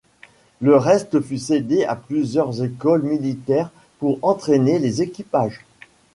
Le reste fut cédé à plusieurs écoles militaires pour entraîner les équipages.